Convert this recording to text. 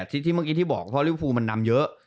ที่เมื่อกี้ที่บอกเพราะริวฟูมันนำเยอะ